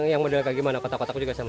yang model kayak gimana kotak kotak juga sama